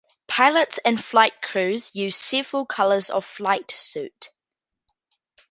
Pilots and flight crews use several colors of flight suit.